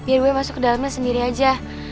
biar gue masuk ke dalamnya sendiri aja